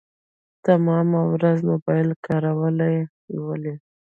تمامه ورځ موبايل کاروي ولي .